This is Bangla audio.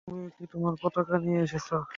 তুমিও কি তোমার পতাকা নিয়ে এসেছ?